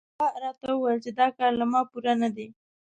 هغه راته وویل چې دا کار له ما پوره نه دی.